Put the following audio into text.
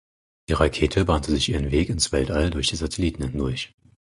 Die Rakete bahnte sich ihren Weg ins Weltall durch die Satelliten hindurch.